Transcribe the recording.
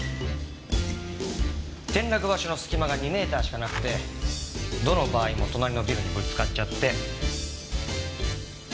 転落場所の隙間が２メーターしかなくてどの場合も隣のビルにぶつかっちゃって。